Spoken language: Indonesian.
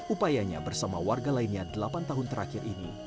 upayanya bersama warga lainnya delapan tahun terakhir ini